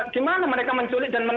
gimana mereka menculik dan